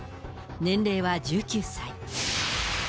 年齢は１９歳。